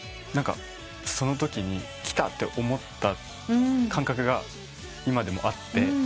そのときにきたって思った感覚が今でもあって。